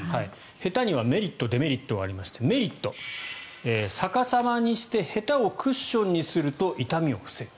へたにはメリット、デメリットがありましてメリット、逆さまにしてへたをクッションにすると傷みを防ぐ。